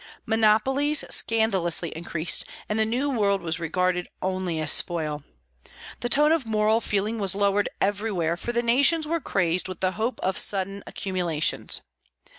Monopolies scandalously increased, and the New World was regarded only as spoil. The tone of moral feeling was lowered everywhere, for the nations were crazed with the hope of sudden accumulations.